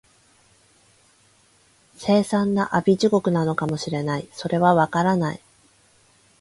凄惨な阿鼻地獄なのかも知れない、それは、わからない